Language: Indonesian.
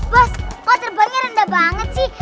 bos kok serbanya rendah banget sih